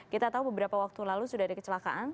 kita tahu beberapa waktu lalu sudah ada kecelakaan